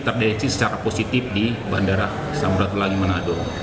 terdiri secara positif di bandara samratulangi menado